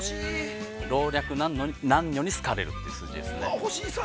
老若男女に好かれるという数字ですね。